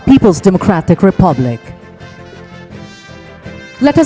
pemerintah pemerintah lau